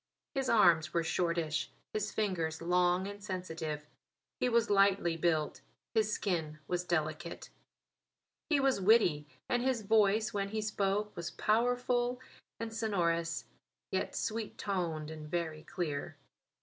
His arms were shortish; his fingers long and sensitive. He was lightly built; his skin was delicate. He was witty, and his voice when he spoke was powerful and sonorous, yet sweet toned and very clear.